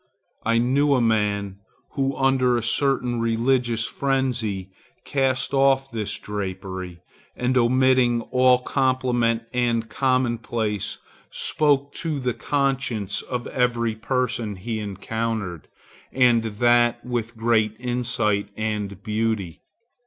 I knew a man who under a certain religious frenzy cast off this drapery, and omitting all compliment and commonplace, spoke to the conscience of every person he encountered, and that with great insight and beauty.